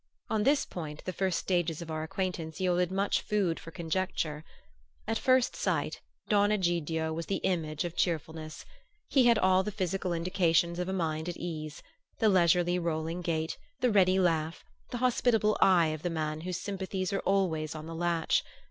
On this point the first stages of our acquaintance yielded much food for conjecture. At first sight Don Egidio was the image of cheerfulness. He had all the physical indications of a mind at ease: the leisurely rolling gait, the ready laugh, the hospitable eye of the man whose sympathies are always on the latch.